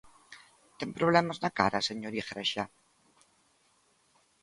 ¿Ten problemas na cara, señor Igrexa?